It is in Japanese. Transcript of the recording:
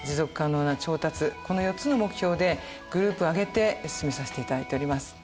この４つの目標でグループを挙げて進めさせて頂いております。